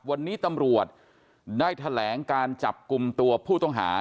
วันนี้ตำรวจได้แถลงการจับกลุ่มตัวผู้ต้องหา